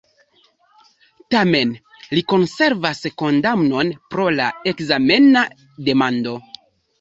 Tamen, li konservas kondamnon pro la ekzamena demando.